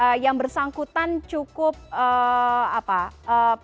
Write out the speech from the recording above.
dan apakah yang bersangkutan cukup pelanggan dan apakah yang bersangkutan cukup pelanggan